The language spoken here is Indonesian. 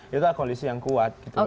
itu adalah koalisi yang kuat gitu